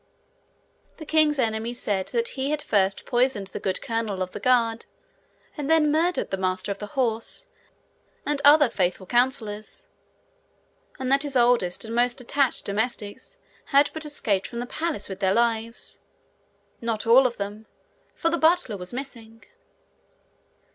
The king's enemies said that he had first poisoned the good colonel of the guard, and then murdered the master of the horse, and other faithful councillors; and that his oldest and most attached domestics had but escaped from the palace with their lives not all of them, for the butler was missing.